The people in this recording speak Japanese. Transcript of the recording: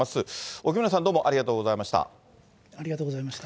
沖村さん、どうもありがとうござありがとうございました。